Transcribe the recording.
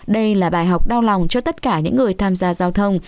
đây là bài học đau lòng cho tất cả những người tham gia giao thông